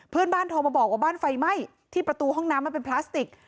โทรมาบอกว่าบ้านไฟไหม้ที่ประตูห้องน้ำมันเป็นพลาสติก